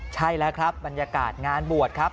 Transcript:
ใช่แล้วครับบรรยากาศงานบวชครับ